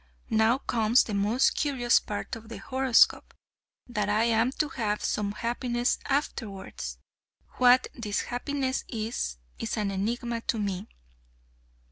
Now comes the most curious part of the horoscope, that I am to 'HAVE SOME HAPPINESS AFTERWARDS!' What this happiness is, is an enigma to me."